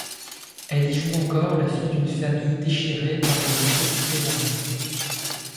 Elle y joue encore la fille d'une famille déchirée par des difficultés variées.